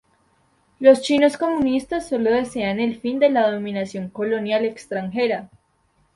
Los chinos comunistas solo desean el fin de la dominación colonial extranjera.